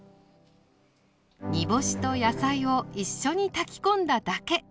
煮干しと野菜を一緒に炊き込んだだけ。